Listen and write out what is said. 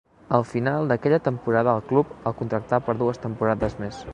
Al final d'aquella temporada el club el contractà per dues temporades més.